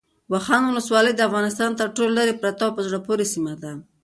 واخان ولسوالۍ د افغانستان تر ټولو لیرې پرته او په زړه پورې سیمه ده.